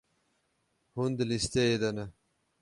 Hûn di lîsteyê de ne.